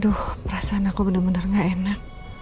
aduh perasaan aku bener bener gak enak